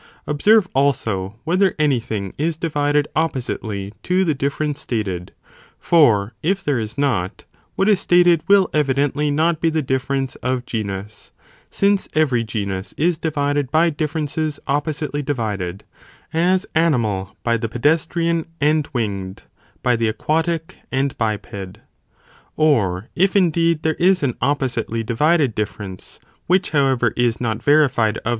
Observe also, whether any thing is divided oppositely to the difference stated, for if there is not, what is stated will evidently not be the difference of genus, since every genus is divided by differences oppositely divided, as animal by the pedestrian and winged, by the aquatic and cr cat.1, Piped.*! Or if indeed there is an oppositely di Aldrich (Man vided difference, which however is not verified of ecl's), Ρ.